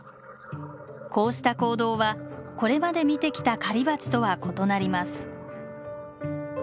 こうした行動はこれまで見てきた狩りバチとは異なります。